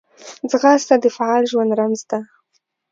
ځغاسته د فعال ژوند رمز ده